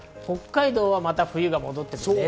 北海道は冬が戻ります。